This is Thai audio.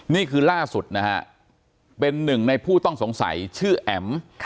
นี่คือล่าสุดนะฮะเป็นหนึ่งในผู้ต้องสงสัยชื่อแอ๋ม